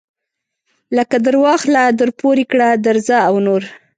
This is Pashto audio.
لکه درواخله درپورې کړه درځه او نور.